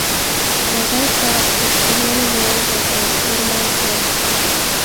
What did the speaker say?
— Могай сар? — почтальон умылен огыл, ӧрмалген.